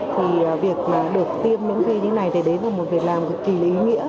thì việc được tiêm những khi như thế này thì đến với một việc làm cực kỳ lý nghĩa